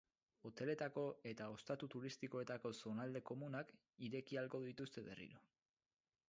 Hoteletako eta ostatu turistikoetako zonalde komunak ireki ahalko dituzte berriro.